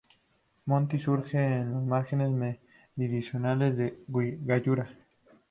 Monti surge en las márgenes meridionales de Gallura.